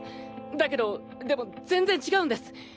だけどでも全然違うんです。